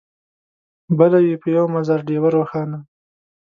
بله وي په یوه مزار ډېوه روښانه